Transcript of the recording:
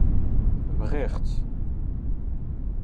Bɣiɣ-t.